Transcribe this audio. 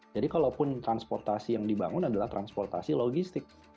jadi kalaupun transportasi yang dibangun adalah transportasi logistik